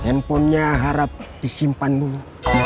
handphonenya harap disimpan dulu